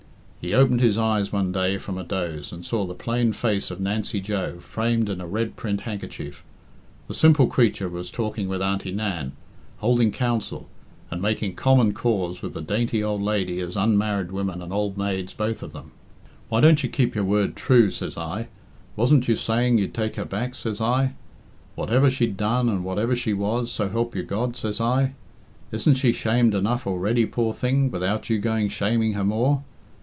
He opened his eyes one day from a doze, and saw the plain face of Nancy Joe, framed in a red print handkerchief. The simple creature was talking with Auntie Nan, holding council, and making common cause with the dainty old lady as unmarried women and old maids both of them. "'Why don't you keep your word true?' says I. 'Wasn't you saying you'd take her back,' says I, 'whatever she'd done and whatever she was, so help you God?' says I. 'Isn't she shamed enough already, poor thing, without you going shaming her more?